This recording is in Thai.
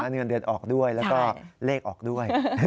เงินเดือนออกด้วยแล้วก็เลขออกด้วย